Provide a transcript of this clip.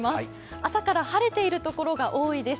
朝から晴れているところが多いです。